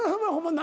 何